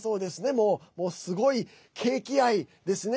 もう、すごいケーキ愛ですね。